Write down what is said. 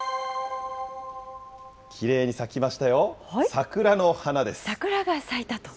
きれいに咲きましたよ、桜の花で桜が咲いたと？